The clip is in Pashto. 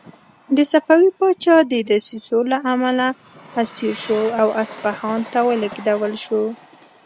د صفوي پاچا د دسیسو له امله اسیر شو او اصفهان ته ولېږدول شو.